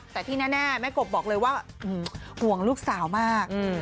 แต่ที่แน่แม่กบบอกเลยว่าห่วงลูกสาวมาก